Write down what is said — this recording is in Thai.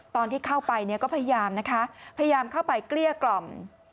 ตอนที่เข้าไปเนี่ยก็พยายามนะคะพยายามเข้าไปเกลี้ยกล่อม